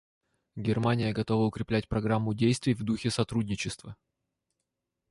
Германия готова укреплять Программу действий в духе сотрудничества.